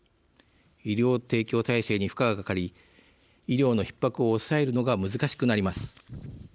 医療提供体制に負荷がかかり医療のひっ迫を抑えるのが難しくなります。